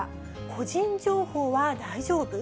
個人情報は大丈夫？